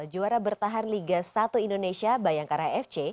juara bertahan liga satu indonesia bayangkara fc